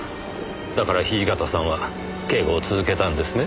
だから土方さんは警護を続けたんですね？